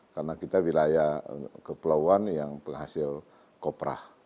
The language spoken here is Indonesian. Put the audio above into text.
karena kita wilayah kepulauan yang penghasil kopra